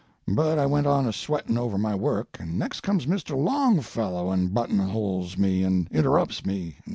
But I went on a sweating over my work, and next comes Mr. Longfellow and buttonholes me, and interrupts me.